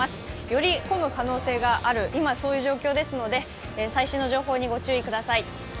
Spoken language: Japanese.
より混む可能性がある今そういう状況ですので最新の情報にご注意ください。